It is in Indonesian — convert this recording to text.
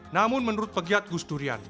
namun menurut pegiat gusdurian